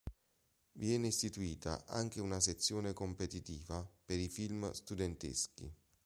Viene istituita anche una sezione competitiva per i film studenteschi.